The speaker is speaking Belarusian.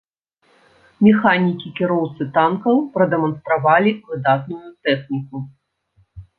Механікі-кіроўцы танкаў прадэманстравалі выдатную тэхніку.